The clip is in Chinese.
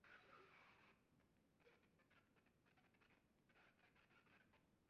宗座缺出论者的观点部分基于第一次梵蒂冈大公会议发布的教宗不能错误性决议。